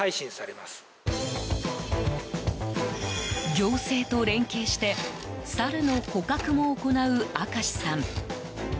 行政と連携してサルの捕獲も行う明石さん。